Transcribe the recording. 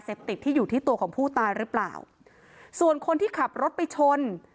ติดที่อยู่ที่ตัวของผู้ตายหรือเปล่าส่วนคนที่ขับรถไปชน